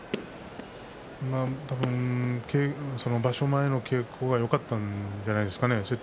多分、場所前の稽古がよかったんじゃないですかね。